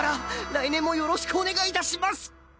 来年もよろしくお願い致します！